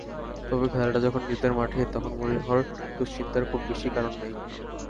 তবে খেলাটা যখন নিজেদের মাঠে, তখন মরিনহোর দুশ্চিন্তার খুব বেশি কারণ নেই।